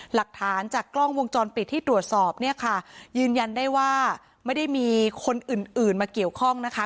หลักฐานจากกล้องวงจรปิดที่ตรวจสอบเนี่ยค่ะยืนยันได้ว่าไม่ได้มีคนอื่นอื่นมาเกี่ยวข้องนะคะ